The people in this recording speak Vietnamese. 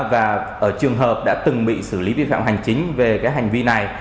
và ở trường hợp đã từng bị xử lý vi phạm hành chính về cái hành vi này